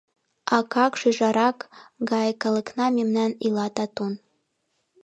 Акак-шӱжарак гай калыкна мемнан ила татун.